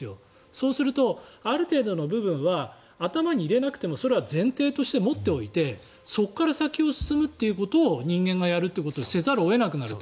そうすると、ある程度の部分は頭に入れなくてもそれは前提として持っておいてそこから先を進むということを人間がやるということをせざるを得なくなる。